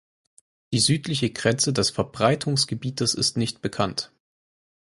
Die südliche Grenze des Verbreitungsgebietes ist nicht bekannt.